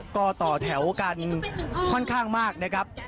ก็ต่อแถวกันค่อนข้างมากนะครับ